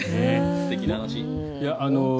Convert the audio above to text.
素敵な話。